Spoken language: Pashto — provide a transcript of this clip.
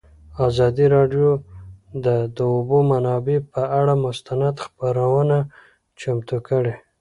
ازادي راډیو د د اوبو منابع پر اړه مستند خپرونه چمتو کړې.